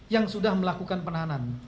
yang sudah melakukan penahanan